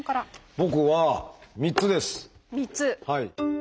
僕は３つです。